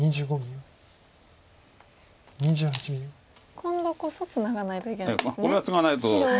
今度こそツナがないといけないですね。